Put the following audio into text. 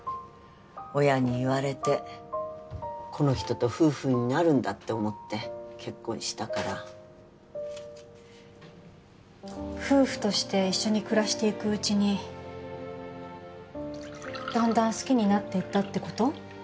親に言われてこの人と夫婦になるんだって思って結婚したから夫婦として一緒に暮らしていくうちにだんだん好きになっていったってこと？